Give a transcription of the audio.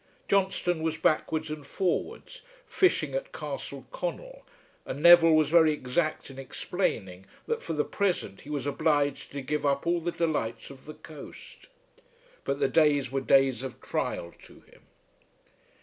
Johnstone was backwards and forwards, fishing at Castle Connel, and Neville was very exact in explaining that for the present he was obliged to give up all the delights of the coast. But the days were days of trial to him.